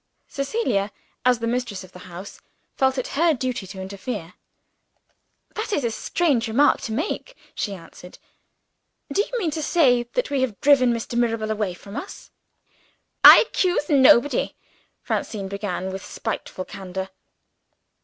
Cecilia, as the mistress of the house, felt it her duty to interfere. "That is a strange remark to make," she answered. "Do you mean to say that we have driven Mr. Mirabel away from us?" "I accuse nobody," Francine began with spiteful candor.